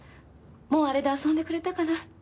もうあれで遊んでくれたかな。